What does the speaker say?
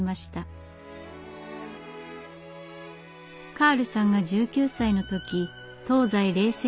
カールさんが１９歳の時東西冷戦が激化。